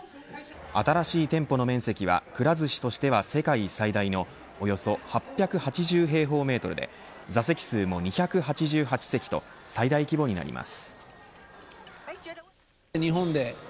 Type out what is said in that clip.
新しい店舗の面積はくら寿司としては世界最大のおよそ８８０平方メートルで座席数も２８８席と最大規模になります。